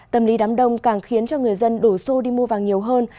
tâm lý đám đông càng khiến cho người dân đổ xô đi mua vàng nhiều hơn